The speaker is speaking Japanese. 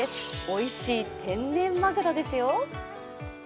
おいしい天然まぐろですよ。